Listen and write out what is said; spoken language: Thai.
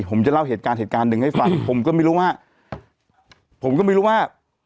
ผมจะเล่าเหตุการณ์เหตุการณ์หนึ่งให้ฟังผมก็ไม่รู้ว่าผมก็ไม่รู้ว่า